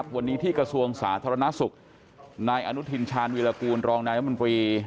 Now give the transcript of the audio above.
วันนี้ที่กระทรวงสาธารณสุขนายอนุทินชาญวิรากูลรองนายรัฐมนตรี